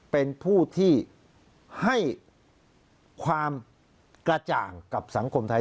เป็นผู้ที่ให้ความกระจ่างกับสังคมไทย